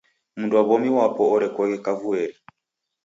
Mndu wa w'omi wapo orekoghe kavuieri.